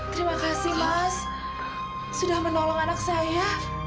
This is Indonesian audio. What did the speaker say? terima kasih mas sudah menolong anak saya